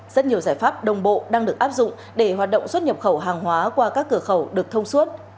rất nhiều giải pháp đồng bộ đang được áp dụng để hoạt động xuất nhập khẩu hàng hóa qua các cửa khẩu được thông suốt